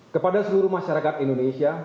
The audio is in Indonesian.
kepada seluruh masyarakat indonesia